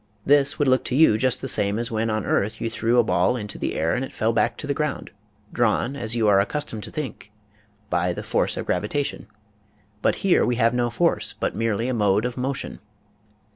This would look to you just the same as when on earth you threw a ball into the air and it fell back to the ground, drawn, as you are accustomed to think, by " the force of gravitation." A SUBSTITUTE FOR GRAVITY 85 But here we have no " force," but merely a mode of motion.